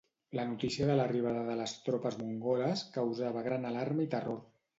La notícia de l'arribada de les tropes mongoles causava gran alarma i terror.